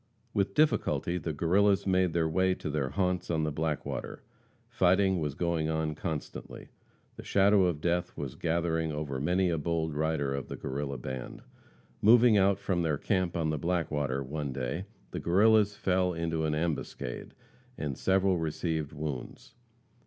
With difficulty the Guerrillas made their way to their haunts on the Blackwater. Fighting was going on constantly. The shadow of death was gathering over many a bold rider of the Guerrilla band. Moving out from their camp on the Blackwater, one day, the Guerrillas fell into an ambuscade, and several received wounds.